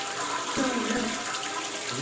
— Нал, нал.